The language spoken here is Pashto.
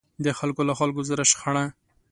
د خلکو له خلکو سره شخړه.